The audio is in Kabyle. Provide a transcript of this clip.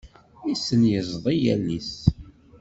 Issen yiẓḍi yall-is.